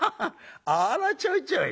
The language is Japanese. あらちょいちょい』」。